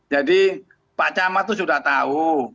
jadi pak camat itu sudah tahu